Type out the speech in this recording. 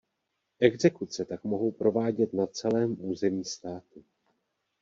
Exekuce tak mohou provádět na celém území státu.